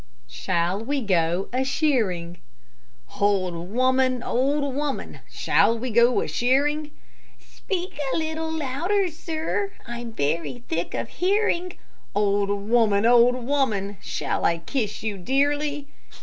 SHALL WE GO A SHEARING? "Old woman, old woman, shall we go a shearing?" "Speak a little louder, sir, I am very thick of hearing." "Old woman, old woman, shall I kiss you dearly?"